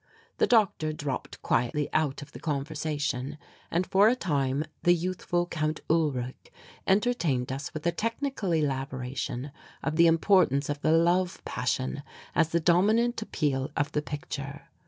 The doctor dropped quietly out of the conversation, and for a time the youthful Count Ulrich entertained us with a technical elaboration of the importance of the love passion as the dominant appeal of the picture.